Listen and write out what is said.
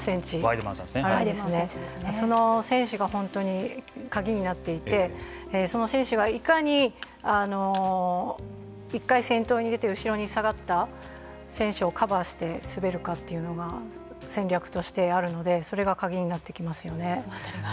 その選手が本当に鍵になっていてその選手が、いかに１回、先頭に出て後ろに下がった選手をカバーして滑るかというのが戦略としてあるのでそれが鍵になってきますよね。